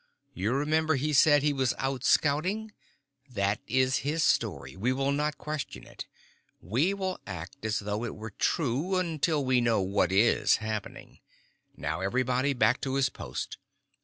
You remember he said he was out scouting. That is his story. We will not question it. We will act as though it were true, until we know what is happening. Now everybody back to his post.